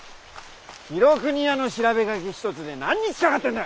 廣國屋の調書き一つで何日かかってんだ！